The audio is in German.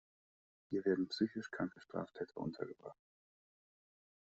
Hier werden psychisch kranke Straftäter untergebracht.